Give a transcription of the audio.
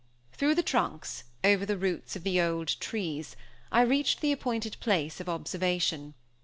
Through the trunks, over the roots of the old trees, I reached the appointed place of observation.